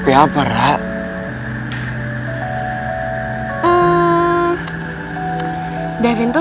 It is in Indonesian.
kamu mau jadi pacar